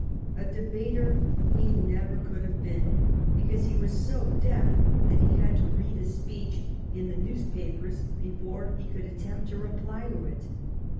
A debater he never could have been, because he was so deaf that he had to read a speech in the 198 THE IONIAN ISLANDS 199 newspapers before he could attempt to reply to it.